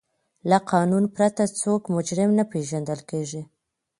له قانون پرته څوک مجرم نه پیژندل کیږي.